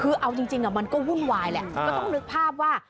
อืมไปเลยนายกหันกลับมา